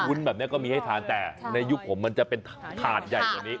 วุ้นนี้ก็มีให้ทานแต่ในยุคผมจะเป็นถาดใหญ่